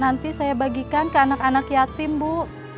nanti saya bagikan ke anak anak yatim bu